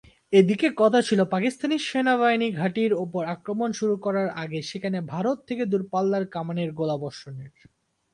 এদিকে কথা ছিল পাকিস্তানি সেনাবাহিনীর ঘাঁটির ওপর আক্রমণ শুরু করার আগে সেখানে ভারত থেকে দূরপাল্লার কামানের গোলা বর্ষণের।